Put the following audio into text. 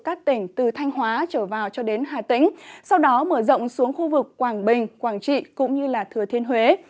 các tỉnh từ thanh hóa trở vào cho đến hà tĩnh sau đó mở rộng xuống khu vực quảng bình quảng trị cũng như thừa thiên huế